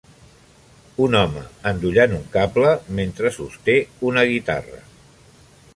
Un home endollant un cable mentre sosté una guitarra.